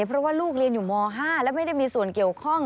เพราะว่าลูกเรียนอยู่ม๕และไม่ได้มีส่วนเกี่ยวข้อง